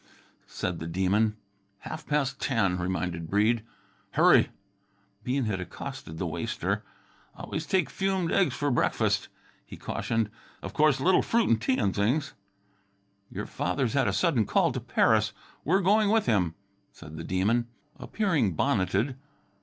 said the Demon. "Half pas' ten," reminded Breede. "Hurry!" Bean had accosted the waster. "Always take fumed eggs for breakfast," he cautioned. "Of course, little fruit an' tea an' things." "Your father's had a sudden call to Paris. We're going with him," said the Demon, appearing bonneted.